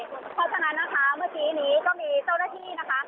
เพราะฉะนั้นนะคะเมื่อกี้นี้ก็มีเจ้าหน้าที่นะคะ